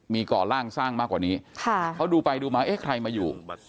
มีก่อล่างสร้างมากกว่านี้เขาดูไปดูมาเอ๊ะใครมาอยู่